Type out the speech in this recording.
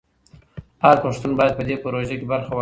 هر پښتون باید په دې پروژه کې برخه واخلي.